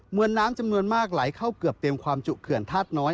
วนน้ำจำนวนมากไหลเข้าเกือบเต็มความจุเขื่อนธาตุน้อย